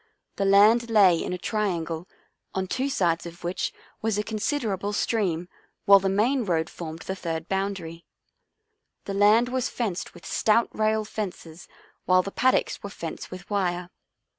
The land lay in a triangle, on two sides of which was a considerable stream while the main road formed the third boundary. The land was fenced with stout rail fences while the paddocks were fenced with wire.